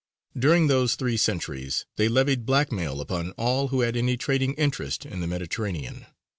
During those three centuries they levied blackmail upon all who had any trading interest in the Mediterranean.